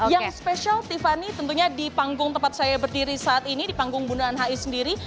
yang spesial tiffany tentunya di panggung tempat saya berdiri saat ini di panggung bunda nhi sendiri